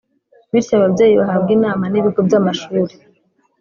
bityo ababyeyi bahabwe inama n’ibigo by’amashuri